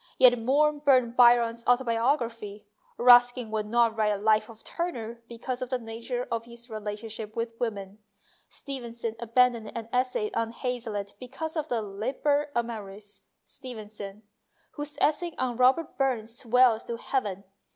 Yet Moore burnt Byron's autobiography, Ruskin would not write a Life of Turner because of the nature of his relationship with women, Stevenson abandoned an essay on Hazlitt 15 226 MONOLOGUES because of the " Liber Amoris " Stevenson, whose essay on Robert Burns " swells to heaven